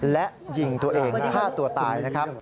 และยิงตัวเองฆ่าตัวตายนะครับ